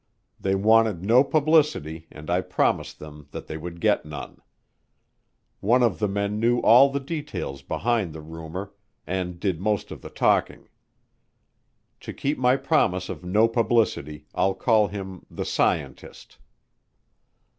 They wanted no publicity and I promised them that they would get none. One of the men knew all the details behind the rumor, and did most of the talking. To keep my promise of no publicity, I'll call him the "scientist."